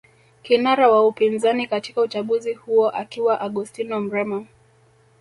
Kinara wa upinzani katika uchaguzi huo akiwa Augustino Mrema